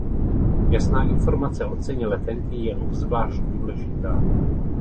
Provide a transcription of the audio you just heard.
Jasná informace o ceně letenky je obzvlášť důležitá.